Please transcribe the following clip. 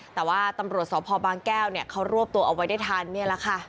แต่ว่าตำรวจสพบางแก้วเขารวบตัวเอาไว้ได้ทันนี่แหละค่ะ